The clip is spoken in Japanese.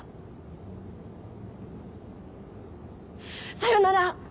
さよなら。